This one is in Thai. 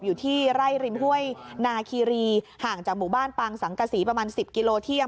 อยู่ที่ไร่ริมห้วยนาคีรีห่างจากหมู่บ้านปางสังกษีประมาณ๑๐กิโลเที่ย